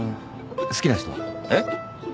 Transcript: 好きな人は？えっ？